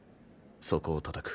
そこをたたく。